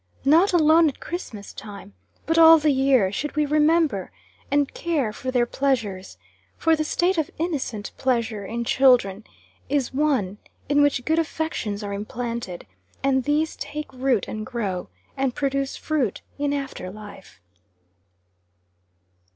Not alone at Christmas time, but all the year should we remember and care for their pleasures; for, the state of innocent pleasure, in children, is one in which good affections are implanted, and these take root and grow, and produce fruit in after life.